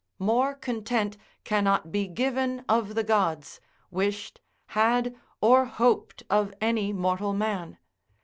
More content cannot be given of the gods, wished, had or hoped of any mortal man.